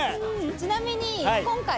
「ちなみに今回」